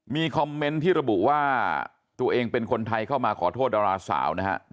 มีคอมเมนต์ที่ระบุว่าตัวเองเป็นคนไทยเข้ามาขอโทษดาราสาวนะฮะ